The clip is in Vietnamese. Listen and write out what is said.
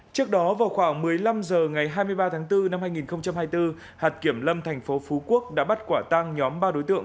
trước đó vào khoảng một mươi năm h ngày hai mươi ba tháng bốn năm hai nghìn hai mươi bốn hạt kiểm lâm thành phố phú quốc đã bắt quả tăng nhóm ba đối tượng